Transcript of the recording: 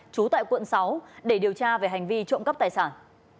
trú tại quận sáu để điều tra về hành vi trộm cắp tài sản